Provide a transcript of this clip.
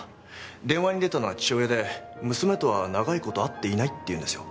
電話に出たのは父親で娘とは長い事会っていないって言うんですよ。